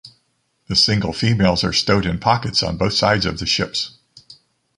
The single females are stowed in pockets on both sides of the ships.